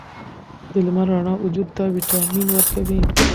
د لمر رڼا وجود ته ویټامین ورکوي.